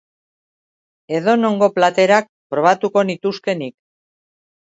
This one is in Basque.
Edonongo platerak probatuko nituzke nik.